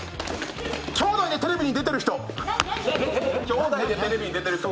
兄弟でテレビに出てる人。